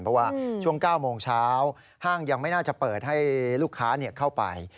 เพราะว่าช่วง๙โมงเช้าห้างยังไม่น่าจะเปิดให้ลูกค้าเข้าไป